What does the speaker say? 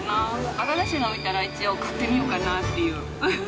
新しいものを見たら、一応、買ってみようかなっていう。